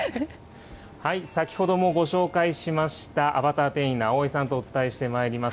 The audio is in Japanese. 先ほどもご紹介しました、アバター店員のあおいさんとお伝えしてまいります。